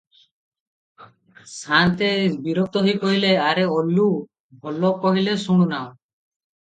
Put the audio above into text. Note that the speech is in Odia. ସା'ନ୍ତେ ବିରକ୍ତ ହୋଇ କହିଲେ, ଆରେ ଓଲୁ, ଭଲ କହିଲେ ଶୁଣୁନାହୁଁ?